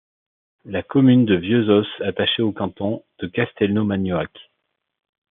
La commune de Vieuzos, attachée au canton de Castelnau-Magnoac.